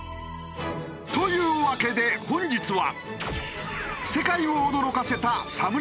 というわけで本日は。